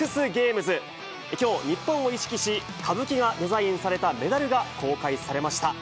きょう日本を意識し、歌舞伎がデザインされたメダルが公開されました。